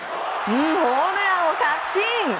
ホームランを確信！